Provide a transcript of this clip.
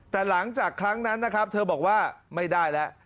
แต่หลังจากครั้งนั้นนะครับเธอบอกว่าไม่ได้แล้ว